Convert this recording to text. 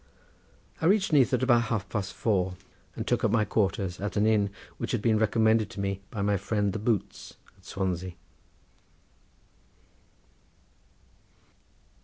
I reached Neath at about half past four, and took up my quarters at an inn which had been recommended to me by my friend the boots at Swansea.